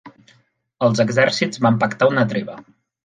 Els exèrcits van pactar una treva.